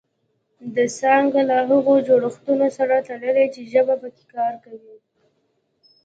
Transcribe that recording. دا څانګه له هغو جوړښتونو سره تړلې چې ژبه پکې کار کوي